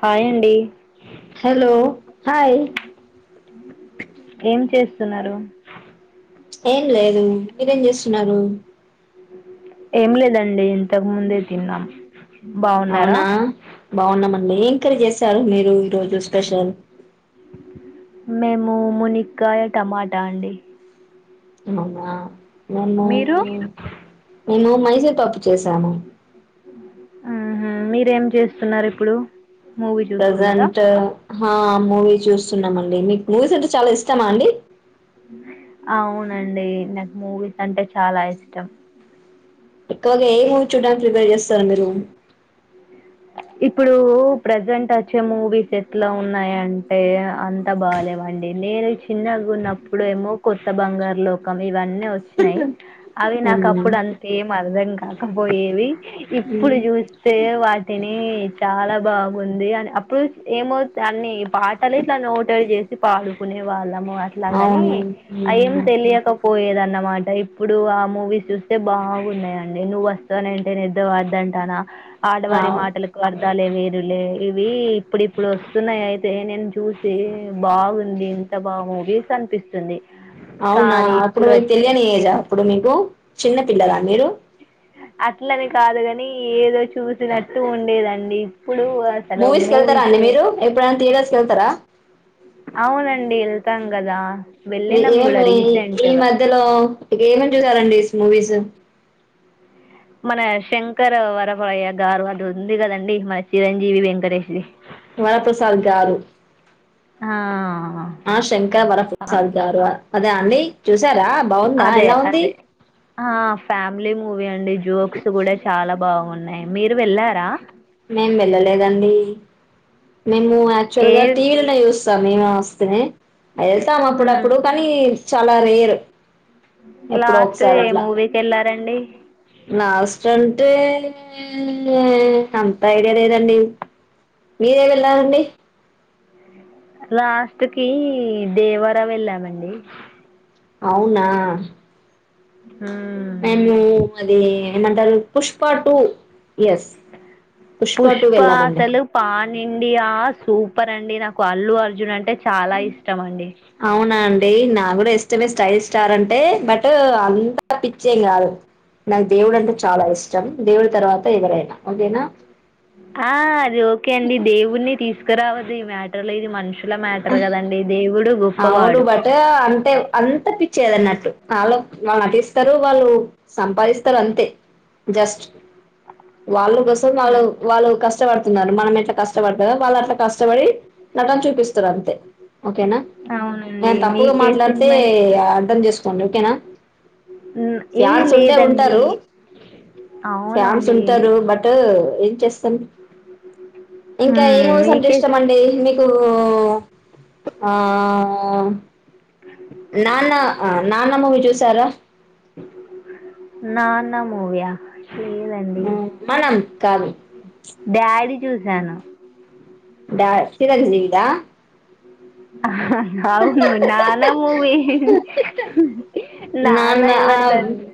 Hi అండి. Hello hi. ఏం చేస్తున్నారు? ఏం లేదు. మీరేం చేస్తున్నారు? ఏం లేదండి ఇంతకు ముందే తిన్నాం. బాగున్నారా? అవునా బాగున్నామండి. ఏం కర్రీ చేశారు మీరు ఈరోజు స్పెషల్. మేము మేము మునిక్కాయ టమాటా అండి. అవునా నన్ను. మీరు మేము మైసూర్ పప్పు చేసాము. ఉహామ్ మీరేం చేస్తున్నారు ఇప్పుడు. మూవీ చూస్తున్నారా ప్రజెంట్ హా మూవీ చూస్తున్నామన మీకు మూవీస్ అంటే చాలా ఇష్టమా అండి అవునండి నాకు మూవీస్ అంటే చాలా ఇష్టం ఎక్కువగా ఏ మూవీ చూడ్డానికి ప్రిపేర్ చేస్తారు మీరు ఇప్పుడు ప్రజెంట్ వచ్చే మూవీస్ ఎట్లా ఉన్నాయ అంటే అంత బాలేవండి నేను చిన్నగా ఉన్నప్పుడేమో కొత్త బంగారు లోకం ఇవన్నీ వచ్చినాయి అవి నాకు అవునా. అప్పుడు అంత ఏం అర్థం కాకపోయేవి మ్మ్. ఇప్పుడు చూసి స్తే వాటిని చాలా బాగుంది అని అప్పుడు ఏమవు దాన్ని పాటలు ఇట్లా నోటెడ్ చేసి పాడుకునే వాళ్ళము అట్లాగాని అవును అ ఏం మ్మ్. తెలియకపోయేదన్న అనమాట ఇప్పుడు ఆ మూవీస్ చూస్తే బాగున్నాయండి నువ్వు వస్త వస్తానంటే నిద్ద వద్దంటానా అడవారి అవు- మాటలకు అర్ధాలే వేరులే ఇవి ఇప్పుడు ఇప్పుడు వస్తున్నాయి అయితే నేను చూసి బాగుంది ఇంత బాగా మూవీస్ అనిపిస్తుంది అవునా కానీ అప్పుడు ఇప్పుడు మీకు వచ్చే తెలియని ఏజా అప్పుడు మీకు చిన్న పిల్లలా మీరు అట్లని కాదు కాని ఏదో చూసినట్టు ఉండేదండి ఇప్పుడు అసలు కి వెళ్తారా మూవీస్ అండి మీరు ఎప్పుడైనా థియేటర్స్ కి వెళ్తారా అవునండి వెళ్తాం కదా వెళ్ళినాం కూడా ఏమి ఈ రీసెంట్గా మధ్యలో ఇక ఏమేం చూసారండి మూవీస్ మన శంకర వరపయ్య గారు అది ఉంది కదండి మన చిరంజీవి వెంకటేష్ది వరప్రసాద్ గారు హా ఆ శంకర్ వర ప్రసాద్ గారు అదా అండి చూసారా బాగుందా అదే ఎలా ఉంది అదే ఆ ఫ్యామిలీ మూవీ అండి జోక్స్ కూడా చాలా బాగున్నాయి మీరు వెళ్ళారా మేము వెళ్ళలేదండి మేము యాక్చువల్ ఏ గా టీవీలు చూ సామిన వస్తే వెళ్తాం మ్మ్. అప్పుడప్పుడు కానీ చాలా రేర్ ఎప్పుడో లాస్ట్ ఒకసారి ఏ అట్లా మూవీకెళ్లారండి లాస్ట్ అంటే అంత ఐడియా లేదండి మీరేం వెళ్ళారండి లాస్ట్ కి దేవర వెళ్ళామండి అవునా హ్మ్. మేము అది ఏమంటారు పుష్పాటు పుష్ప వెళ్ళామండి అసలు పానిండియా సూపర్ అండి నాకు అల్లు అర్జున్ అంటే చాలా ఇష్టం అండి డై నా కూడా ఇష్టమే స్టైల్ స్టార్ అంటే బట్ అంత పిచ్చేం కాదు నాకు దేవుడు అంటే చాలా ఇష్టం దేవుడు తర్వాత ఎవరైతే ఓకేనా ఆ అది ఓకే అండి దేవుణి తీసుకురావద్దు ఈ మ్యాటర్ లో ఇది మనుషుల మేట తరు కదండి ఇది అవును బట్ అంతే అంత పి చేదన్నట్టు వాళ్ళ వాళ్ళు నటిస్తారు వాళ్ళు సంపాదిస్తారు అంతే జస్ట్ వాళ్ళ కోసం వాళ్ళు హ్మ్. వాళ్ళు కష్టపడుతున్నారు మనం ఎట్లా కష్టపడుతుందో వాళ్ళు అట్లా కష్టపడి నటన చూపిస్తారు అంతే ఓకేనా ఆ అవునండి. తప్పుగా మీకే మాట్లాడితే సినిమా ఇష్టం? అర్ధం చేసుకోండి ఓకేనా హ్మ్. ఏ ఫ్యాన్స్ ఉండే లేదండి. ఉంటారు ఫ్యాన్స్ అవునండి. ఉంటారు బట్ ఎం చేస్తాం ఇంకా ఏ హ్మ్. మూవీస్ అంటే మీకే స్ ఇష్టం అండి మీ ఓ ఆ నాన్న నాన్న మూవీ చూసారా నాన్న మూవీయా లేదండి మ్, మనం కాదు డాడీ చూసాను డాడ్ చిరంజీవిదా అవును నాన్న మూవీ నానా నాన్న ఆబ్ ఎవరిదండి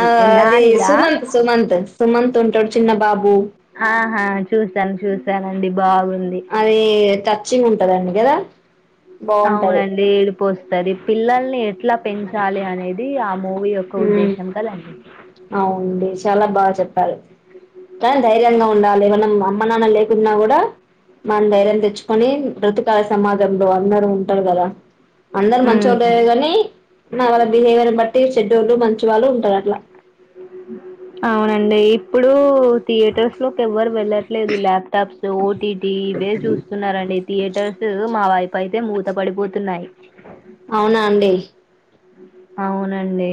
ఆ అది నానిదా సుమంత్ సుమంత్ సుమంత్ ఉంటడు చిన్న బాబు ఆహా చూసాను చూసానండి బాగు అది టచ్చింగ్ ఉంటదండి గదా అవునండి ఏడుపోస్తది పిల్లల్ని ఎట్లా పెంచాలి అనేది ఆ మూ వీ యొక్క ఉద్దేశం కదండి అండి చాలా బాగా చెప్పారు కానీ ధైర్యంగా ఉండాలి మనం అమ్మ నాన్న లేకున్నా గూడా మన ధైర్యం తెచ్చుకొని బ్రతుకాలి సమాజంలో అందరూ ఉంటరు గదా అందరు మ్మ్. మంచోళ్ళే గానీ నా వాళ్ళ బిహేవియర్ బట్టి చెడోళ్ళు మంచివాళ్ళు ఉంటరు అట్లా అవునండి ఇప్పుడు థియేటర్స్ లోకి ఎవ్వరు వెళ్లట్లేదు లాప్ టాప్ ఓటీటి ఇవే చూస్తున్నారండి థియేటర్స్ మా వైపు అయితే మూత పడిపోతున్నాయ్ అవునా అండి అవునండి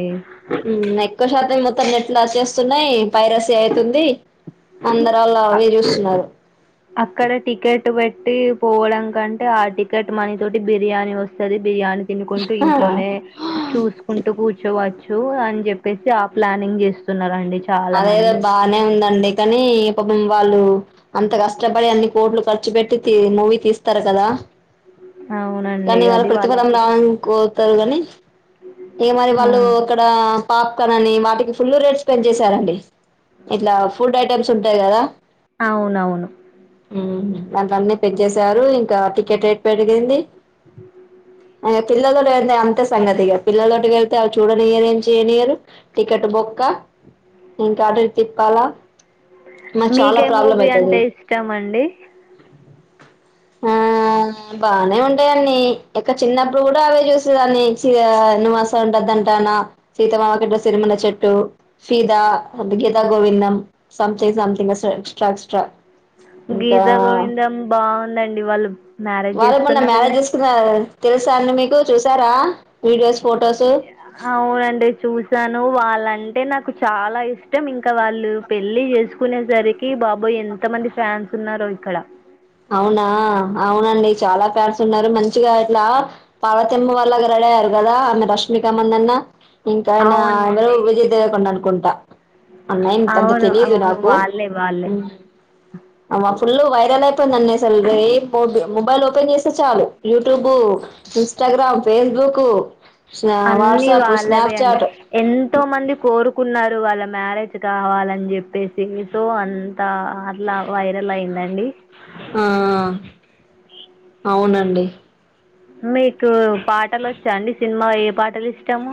ఎక్క శాతం మొత్తం నెట్ల్ అచ్చేస్తున్నాయ్ పైరసి ఐతుంది అందరు ఆళ్ల అక్- ఓయి చూస్తున్నారు టువేట్టి పోవడం కంటే ఆ టికెట్ మనీ తోటి బిర్యానీ వస్తది బిర్యానీ తినుకుంటూ ఇంట్లోనే చూసుకుంటూ కుర్చోవచ్చు చు అని జెప్పేసి ఆ ప్లానింగ్ చేస్తున్నరండి అదేదో బానే ఉందండి కానీ పాపం వాళ్ళు అంత కష్టపడి అన్ని కోట్లు ఖర్చు పెట్టి తీ మూవీ తీస్తారు కదా అవునండి కానీ వాళ్ళ అది ప్రతిఫలం వాళ్ళకి రావాలనికోతరు గానీ ఇగ మరి ఆ వాళ్ళు అక్కడ పాప్కాన్ అని వాటికి ఫుల్ రేట్స్ పెంచేశారండి ఇట్లా ఫుడ్ ఐటెమ్స్ ఉంటాయి కదా అవునవును దాంట్ల అన్ని పెంచేశారు ఇంకా టికెట్ రేట్ పెరిగింది అయత్ పిల్లతో వెళ్తే అంత సంగతిగా పిల్లతోటి వెళ్తే ఆల్ చూడనియరు ఏం చేయనియరు టికెట్ బొక్క ఇంకా అటు ఇటు తిప్పాలా మాకు చాలా మీకే ప్రాబ్లం మూవీ అంటే అయితది ఇష్టమండి ఆ ఆమ్ బానే ఉంటాయి అండి ఎక్క చిన్నప్పుడు కూడా అవే చూసేదాన్ని నువస్తానంటే వద్దంటాన Seethamma Vakitlo Sirimalle Chettu Fidaa Geetha Govindam something something extra extra ఇంకా గీతా గోవిందం బాగుందండి వాళ్ళు మ్యారేజ్ వాళ్ళ మొన్న చేసుకున్నారు కదా మ్యారేజ్ చేసుకున్న తెలుసా అండి మీకు చూసారా వీడియోస్ ఫొటోస్ అవునండి చూసాను వాళ్ వాళ్ళంటే నాకు చాలా ఇష్టం ఇంకా వాళ్ళు పెళ్లి చేసుకునే సరికి కి బాబోయి ఎంత మంది ఫ్యాన్స్ ఉన్నారో ఇక్కడ అవునా అవునండి చాలా పేర్స్ ఉన్నారు మంచిగా ఇట్లా పార్వతమ్మ వాళ్ళ లాగా రెడీ లయ్యారు కదా ఆమె రష్మికమందాన్న ఇంకా ఆయన ఎవరు అవునండి విజయ్ దేవరకొండ అనుకుం నా మైండ్ కాంత అవును తెలియదు అవును నాకు వాళ్ళే వాళ్ళే అమ ఫుల్లు వై తుంది అన్ని అసల్ ఏ పొద్దునా మొబైల్ ఓపెన్ చేస్తే చాలు యూట్యూబు ఇన్స్టాగ్రామ్ ఫేస్బుక్ దూకు అన్ని వాళ్ళవే అండి ఎంతో మంది కోరుకున్నారు వాళ్ళ మ్యారేజ్ కావాలని చెప్పేసి సో అంతా అట్లా వైరల్ అయిందండి ఆ అవునండి మీకు పాటలు వచ్చా అండి సినిమా ఏ పాటలు ఇష్టాము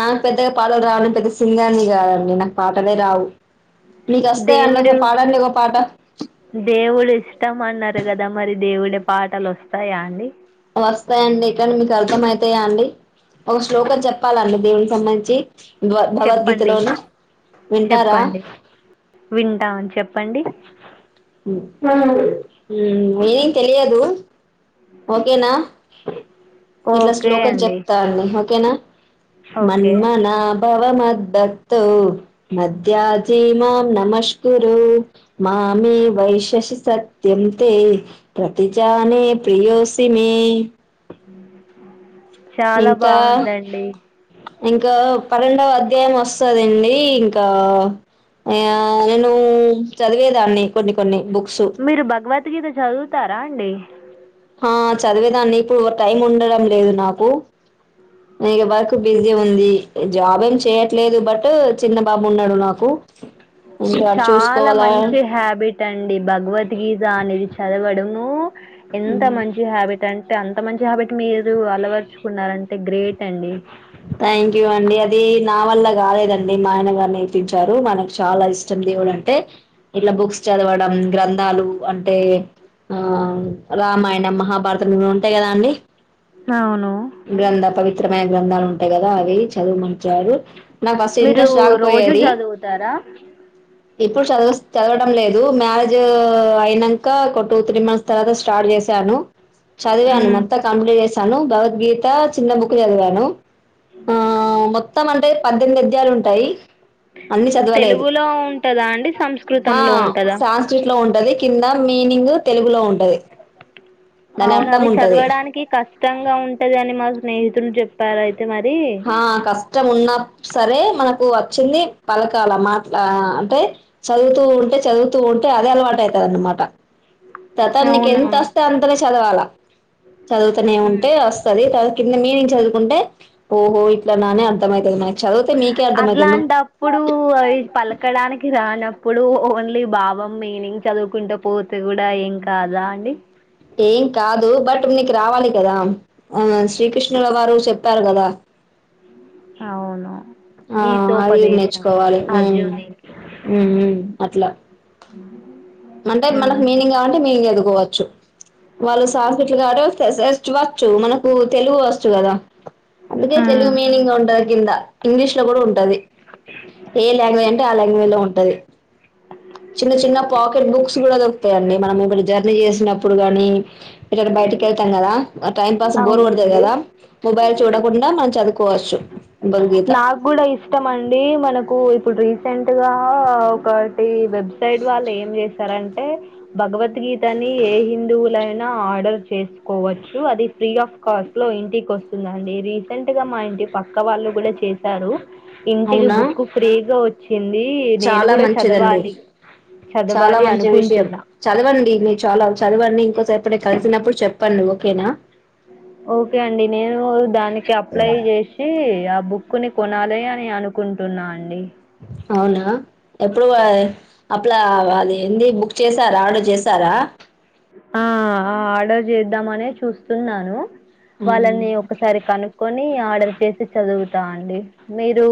నాకు పెద్దగా పాటలు రావ పెద్ద సింగర్ని కాదండి నాకు పాటలే రావు నీకస్తయి అండి దేవుడు పాడండి ఒక పాట దేవుడు ఇష్టం అన్నారు కదా మరి దేవుడి పాటలు వస్తాయా అండి వస్తాయండి కానీ మీకు అర్థం అయితాయా అండి ఒక శ్లోకం చెప్పాలండి దేవునికి సంబంధించి చెప్పండి భగవద్గీతలోన వింటారా చెప్పండి వింటాం చెప్పండి ఉ ఉమ్ ఏం తెలియదు ఓకేనా ఇట్లా ఓకే శ్లోకం అండి చెప్తా అని నా ఓకే మన్మనాభవ మద్ద్ద మద్యాజీమాం నమష్ గురు మామే వైషసి సత్యం తే ప్రతిజానే ప్రియోసి మీ చాలా ఇంకా బాగుందండి ఇంకా పన్నెండవ అధ్యాయం వస్తందండి ఇంకా ఆనేను చదివేదాన్ని కొన్ని కొన్ని బుక్స్ మీరు భగవద్గీత చదువుతారా అండి ఆ చదివేదాన్ని ఇప్పుడు ఒక టైం ఉండడం లేదు నాకు ఇక వర్కు బిజీ ఉంది జాబ్ ఏం చేయ్యట్లేదు బట్ చిన్న బాబు ఉన్నాడు నాకు ఇంకా అటు చాలా చూసుకోవాలా మంచి హ్యాబిట్ అండి భగవద్గీత అనేది చదవడము ఎంత మంచి హ్యాబిట్ అంటే అంత మంచి హ్యాబిట్ మీరు అలవరుచుకున్నారంటే గ్రేట్ అండి థ్యాంక్ యూ అండి అది నా వల్ల కాలేదండి మా ఆయన గారు నేర్పించారుతనకి చాలా ఇష్టం దేవుడు అంటే ఇట్లా బుక్స్ చదవడం గ్రంథాలు అంటే ఆ రామాయణం మహాభారతం ఇవి ఉంటాయి కదా అండి అవును గ్రంధాలు ఉంటాయి కదా అవి చదువు మ చారు నాకు అసలు మీరు ఇంట్రెస్ట్ రోజు రాకపోయది చదువుతారా ఇప్పుడు చదువ చదవడం లేదు మ్యారేజ్ అయినాక్క ఒక టూ త్రీ మంత్స్ తర్వాత స్టార్ట్ చేశాను చదివాను మ్మ్. మొత్తం కంప్లీట్ చేసాను భగవద్గీత చిన్న బుక్ చదివాను ఆ మొత్తం అంటే పద్దెనిమిది అద్యాలు ఉంటాయి అన్ని చదవలేదు తెలుగులో ఉంటుందా అండి ఆ సంస్కృతంలో ఉంటుందా సాన్ స్ట్రీట్ లో ఉంటది కింద మీనింగ్ తెలుగులో ఉంటది దాని అవును అర్థం అది ఉంటది చదవడానికి కష్టంగా ఉంటది అని మా స్నేహితుడు చెప్పారుయితే ఆ కష్టం ఉన్నా సరే మనకు వచ్చింది తర్వాత మాట్లా అంటే చదువుతూ ఉంటే చదువుతూ ఉంటే అదే అలవాటు అవుతుంది అన్నమాట తర్వాత నీక అవునా ఎంత వస్తే అంతనే చదవాలా చదువుతూనే హ్మ్. ఉంటే వస్తుంది కింద మీనింగ్ చదువుకుంటే ఓహో ఇట్లా నానే అర్థమవుతుంది నా చదివితే మీకే అర్థమవుతుంది కిి రానా ఇప్పుడు ఓన్లీ భావం మీనింగ్ చదువుకుంట పోతే కూడా ఏం కాదా అండి ఏం కాదు బట్ మీకు రావాలి కదా ఆ శ్రీకృష్ణుల వారు చెప్పారు కదా అవును ఆ అవి గీతోపదేశం నేర్చుకోవాలి అర్జునికి అట్లా ఉ మంటే మనక్ మీనింగ్ కావంటే మీనింగ్ ఎదుకోవచ్చు. వాళ్లు సంస్క్రిట్లు కాబట్టి వాల్ ఫెసెస్ చూవచ్చు మనకు తెలుగు వచ్చు కదా. అందుకే తెలుగు మీనింగ్ ఉంటంది కింద ఇంగ్లీష్ లో కూడా ఉంటుంది. ఏ లాంగ్వేజ్ అంటే ఆ లాంగ్వేజ్లో ఉంటుది. చిన్న చిన్న పాకెట్ బుక్స్ కూడా దొరుకుతాయండి మనం ఒక జర్నీ చేసినప్పుడు గానీ. ఎకడ బయటికెళ్తాం కదా. ఆ టైం పాస్ బోర్ కొడతాది అవునండి కదా. మొబైల్ చూడకుండా మనం చదువుకోవచ్చు. భగవద్గీత నాక్ గుడ ఇష్టం అండి మనకు ఇప్పుడు రీసెంట్ గా ఒకటి వెబ్ సైట్ వాళ్ ఏం చేస్తారం భగవద్గీతని ఏ హిందువులైనా ఆర్డర్ చేసుకోవచ్చు అది ఫ్రీ ఆఫ్ కాస్ట్లో ఇంటి కోస్తుందండి రీసెంట్ గా మా ఇంటి పక్క వాళ్ళు కూడా చేశారు ఇంటికి అవునా బుక్ ఫ్రీగా వచ్చింది నేను చాలా కూడా మంచిదండి చదవాలి చాలా చదవాలి మంచి విషయం. అనుకుంటున్నా. చదవండి మీ చాలా చదవండి ఇంకోసేప్ పుడే కలిసినప్పుడు చెప్పండి ఓకేనా ఓకే అండి నేను దానికి అప్లై చేసి ఆ బుక్ కుని కొనాలి అని అనుకుంటున్నా అండి అవునా ఎప్పుడు అయ్ అప్లై ఆవలి హిందీ బుక్ చేసారా ఆర్డర్ చేస్తారా ఆ అ ఆర్డర్ చేద్దామనే చూస్తున్నాను వాళ్ళని ఒకసారి కనుక్కొని ఆర్డర్ చేసి చదువుతా అండి మీరు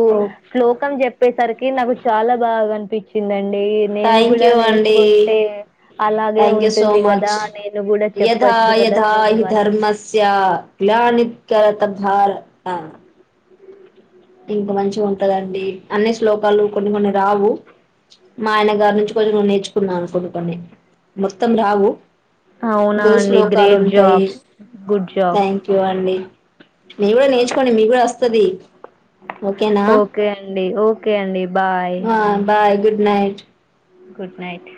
శ్లోకం చెప్పేసరికి నాకు చాలా బాగా అనిపించ్చిదం డేయి నేను థ్యాంక్ కూడా యూ అండి నేర్చుకుంటే అలాగే ఉంటుంది కదా నేను గూడా యధ చెప్పొచ్చు యాధ కదా వేరే హి వాళ్ళు ధర్మస్య గ్లానిత్కరతత్ ధరత్నా ఇంక మంచిగ్ ఉంటదండి అన్ని శ్లోకాలు కొన్ని కొన్ని రావు మా ఆయన గారి నుంచి కొదిగు నేర్చుకున్నాను కొన్ని కొన్ని మొత్తం రావు అవునా గుల్ అండి. శ్లోకాల్ గ్రేట్ ఉంటయ్ job. Good job. Thank you అండి మీ కూడా నేర్చుకోండి మీ కూడా వస్తుది ఓకే అండి ఓకే అండి బాయ్. ఆ bye good night good night